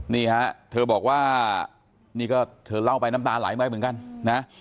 นี่ฮะเธอบอกว่านี่ก็เธอเล่าไปน้ำตาไหลไปเหมือนกันนะ